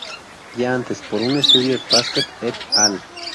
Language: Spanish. Ya antes, por un estudio de Pasquet "et al.